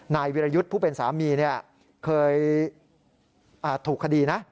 นายวิรยุทธ์ผู้เป็นสามีเคยถูกคดีนะ